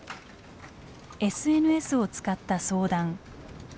ＳＮＳを使った相談。